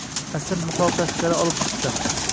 Asir misol tashqari olib chiqdi.